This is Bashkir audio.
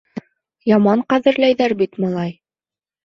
Яман ҡәҙерләйҙәр бит, малай.